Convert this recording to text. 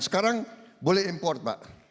sekarang boleh import pak